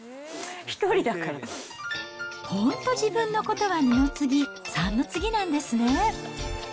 本当、自分のことは二の次、三の次なんですね。